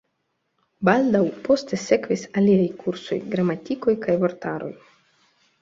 Baldaŭ poste sekvis aliaj kursoj, gramatikoj kaj vortaroj.